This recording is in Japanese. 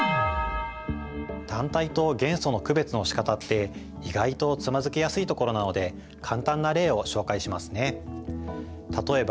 単体と元素の区別のしかたって意外とつまずきやすいところなので簡単な例を紹介しますね。